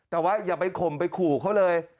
แต่ว่าอย่าไปข่มไปขู่เขาเลย